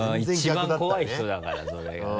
一番怖い人だからそれがね。